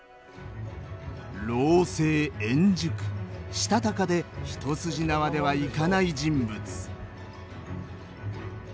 したたかで一筋縄ではいかない人物。